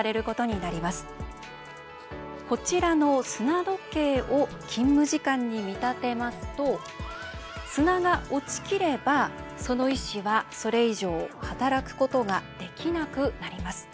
こちらの砂時計を勤務時間に見立てますと砂が落ちきればその医師はそれ以上働くことができなくなります。